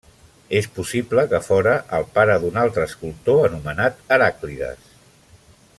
És possible que fora el pare d'un altre escultor anomenat Heràclides.